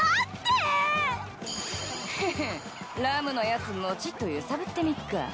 ヘヘラムのやつもちっと揺さぶってみっか。